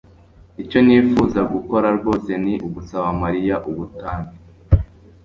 Icyo nifuza gukora rwose ni ugusaba Mariya ubutane